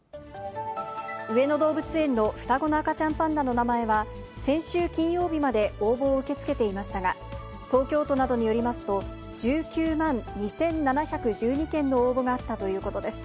上野動物園の双子の赤ちゃんパンダの名前は、先週金曜日まで応募を受け付けていましたが、東京都などによりますと、１９万２７１２件の応募があったということです。